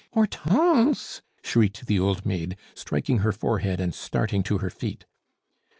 "Hortense!" shrieked the old maid, striking her forehead, and starting to her feet.